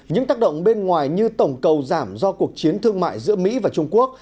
những tác động bên ngoài như tổng cầu giảm do cuộc chiến thương mại giữa mỹ và trung quốc